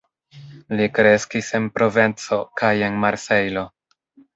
Li kreskis en Provenco kaj en Marsejlo.